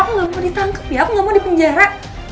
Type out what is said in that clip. aku gak mau ditangkep ya aku gak mau dipenjara